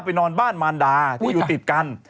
นอนบ้านมารดาที่อยู่ติดกัน